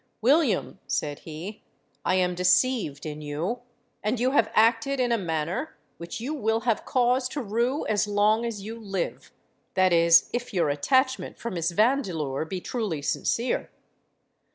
'William,' said he, 'I am deceived in you; and you have acted in a manner which you will have cause to rue as long as you live; that is, if your attachment for Miss Vandeleur be truly sincere.'